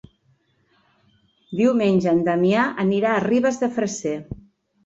Diumenge en Damià anirà a Ribes de Freser.